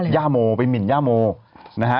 ย่าโมไปหมินย่าโมนะฮะ